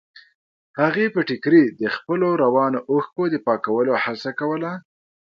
هغې په ټيکري د خپلو روانو اوښکو د پاکولو هڅه کوله.